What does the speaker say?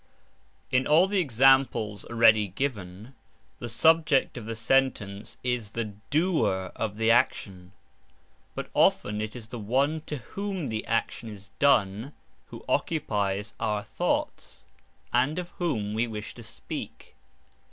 In all the examples already given the Subject of the Sentence is the "doer" of the action, but often it is "the one to whom the action is done" who occupies our thoughts, and of whom we wish to speak.